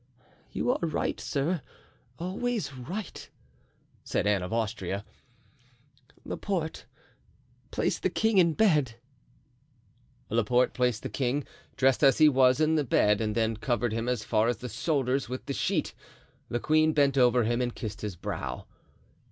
"You are right, sir, always right," said Anne of Austria. "Laporte, place the king in bed." Laporte placed the king, dressed as he was, in the bed and then covered him as far as the shoulders with the sheet. The queen bent over him and kissed his brow.